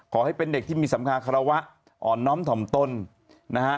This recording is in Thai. ขอให้เป็นเด็กที่มีสำคัญคารวะอ่อนน้อมถ่อมตนนะฮะ